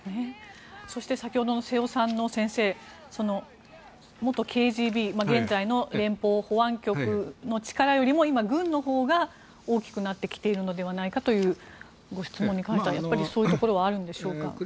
そして先ほどの瀬尾さんの元ＫＧＢ現在の連邦保安局の力よりも今、軍のほうが大きくなってきているのではないかというご質問に関してはそういうところはあるでしょうか？